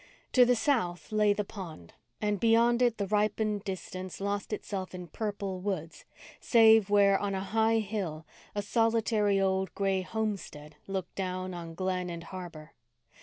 To the sought lay the pond and beyond it the ripened distance lost itself in purple woods, save where, on a high hill, a solitary old gray homestead looked down on glen and harbour.